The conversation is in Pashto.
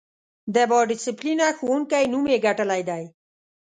د با ډسیپلینه ښوونکی نوم یې ګټلی دی.